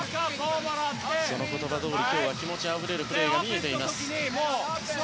その言葉どおり今日は気持ちがあふれるプレーが見えています。